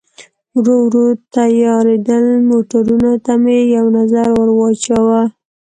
ورو ورو تیارېدل، موټرونو ته مې یو نظر ور واچاوه.